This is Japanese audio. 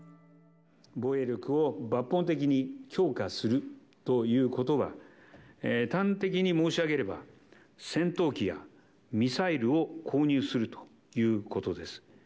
防衛力を抜本的に強化するということは、端的に申し上げれば、戦闘機やミサイルを購入するということです。